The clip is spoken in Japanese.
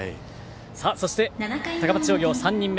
そして、高松商業、３人目。